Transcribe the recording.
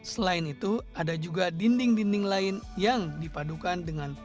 selain itu ada juga dinding dinding lain yang dipadukan dengan